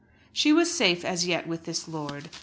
She was safe as yet with this lord.